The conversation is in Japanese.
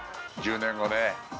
１０年後ね